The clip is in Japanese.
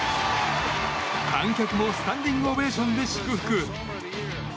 観客もスタンディングオベーションで祝福。